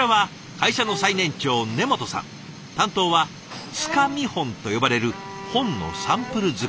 担当は「束見本」と呼ばれる本のサンプル作り。